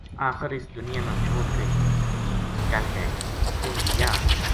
آخر اس دنیا نا چھوڈ کے چل جائے کیوں جے یاہ